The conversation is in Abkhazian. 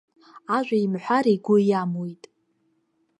Ажәа имҳәар игәы иамуит.